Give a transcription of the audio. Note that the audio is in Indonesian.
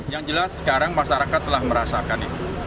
yang jelas sekarang masyarakat telah merasakan itu